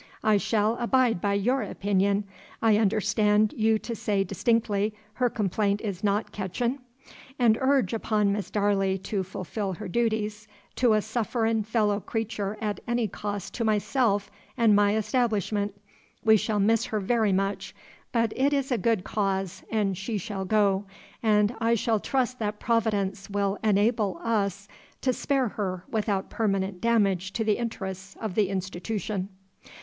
I shall abide by your opinion, I understan' you to say distinc'ly, her complaint is not ketchin'? and urge upon Miss Darley to fulfil her dooties to a sufferin' fellow creature at any cost to myself and my establishment. We shall miss her very much; but it is a good cause, and she shall go, and I shall trust that Providence will enable us to spare her without permanent demage to the interests of the Institootion."